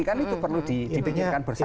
kan itu perlu dipikirkan bersama